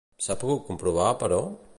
S'ha pogut comprovar, però?